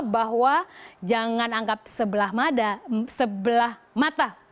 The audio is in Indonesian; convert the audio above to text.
bahwa jangan anggap sebelah mata